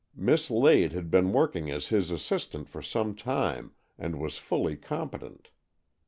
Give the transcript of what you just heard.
Miss Lade had been working as his assistant for some time, and was fully com petent.